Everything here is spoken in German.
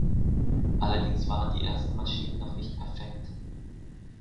Allerdings waren die ersten Maschinen noch nicht perfekt.